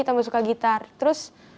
tambah suka gitar terus